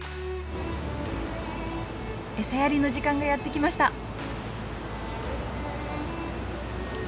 餌やりの時間がやって来ました！